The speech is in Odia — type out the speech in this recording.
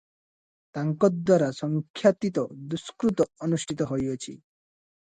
ତାଙ୍କଦ୍ୱାରା ସଂଖ୍ୟାତୀତ ଦୁଷ୍କୃତ ଅନୁଷ୍ଠିତ ହୋଇଅଛି ।